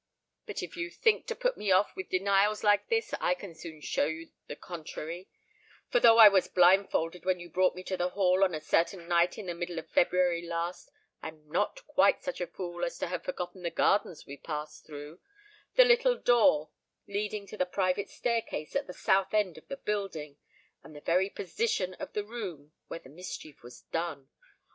"But if you think to put me off with denials like this, I can soon show you the contrary; for, though I was blindfolded when you brought me to the Hall on a certain night in the middle of February last, I am not quite such a fool as to have forgot the gardens we passed through—the little door leading to the private staircase at the south end of the building—and the very position of the room where the mischief was done.